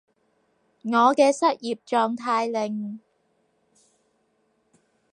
我嘅失業狀態令